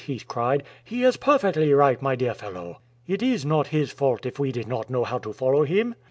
he cried. "He is perfectly right, my dear fellow. It is not his fault if we did not know how to follow him!"